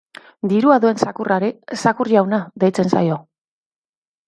Dirua duen zakurrari zakur jauna deitzen zaio.